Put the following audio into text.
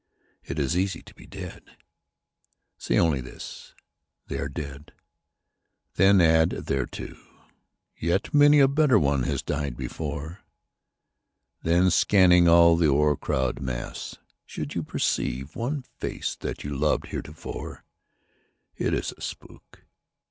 It is easy to be dead. Say only this, " They are dead." Then add thereto, " Yet many a better one has died before." Then, scanning all the o'ercrowded mass, should you Perceive one face that you loved heretofore, It is a spook.